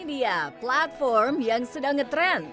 dia platform yang sedang ngetrend